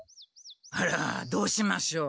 あらどうしましょう。